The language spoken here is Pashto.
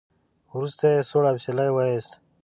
وروسته يې سوړ اسويلی وېست.